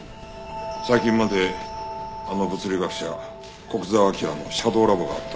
最近まであの物理学者古久沢明のシャドーラボがあった。